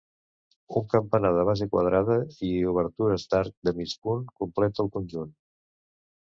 Un campanar de base quadrada i obertures d'arc de mig punt completa el conjunt.